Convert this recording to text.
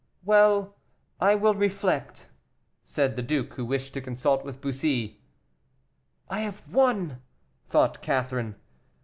"Well, I will reflect," said the duke, who wished to consult with Bussy. "I have won," thought Catherine.